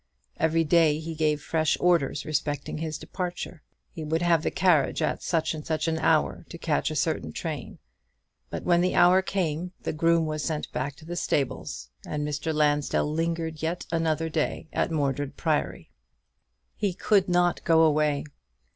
Every day he gave fresh orders respecting his departure. He would have the carriage at such an hour, to catch a certain train: but when the hour came, the groom was sent back to the stables, and Mr. Lansdell lingered yet another day at Mordred Priory. He could not go away.